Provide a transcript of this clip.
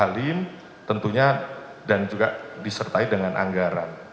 halim tentunya dan juga disertai dengan anggaran